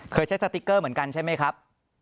เคยใช้สติ๊กเกอร์เหมือนกันใช่ไหมครับ